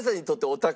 お宝。